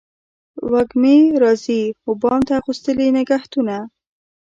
وږمې راځي و بام ته اغوستلي نګهتونه